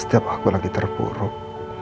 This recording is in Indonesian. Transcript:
setiap aku lagi terburuk